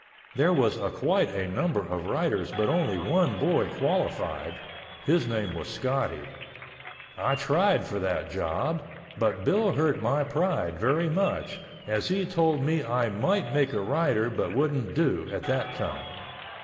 There was a quite a number of riders but only one boy qualified—his name was Scotty. I tried for that job, but Bill hurt my pride very much, as he told me I might make a rider but wouldn't do at that time.